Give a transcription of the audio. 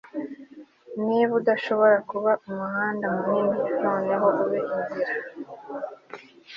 niba udashobora kuba umuhanda munini, noneho ube inzira